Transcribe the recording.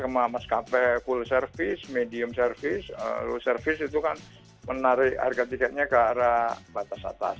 maskapai full service medium service low service itu kan menarik harga tiketnya ke arah batas atas